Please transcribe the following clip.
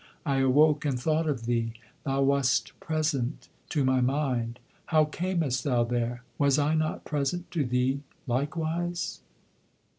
I awoke and thought of thee; thou wast present to my mind. How camest thou there? Was I not present to thee, likewise?"